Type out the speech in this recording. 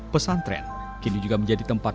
pesantren kini juga menjadi tempat